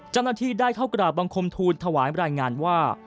เจ้าหน้าที่ได้เข้ากราบบังคมทูลถวายรายงานว่า